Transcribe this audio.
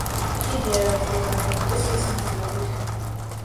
ხიდი არაერთხელ გაარემონტეს ხის მასალებით.